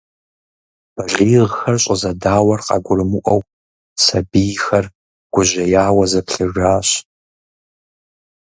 Балигъхэр щӏызэдауэр къагурымыӏуэу, сэбийхэр гужьеяуэ заплъыжащ.